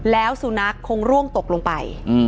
แล้วสุนัขคงร่วงตกลงไป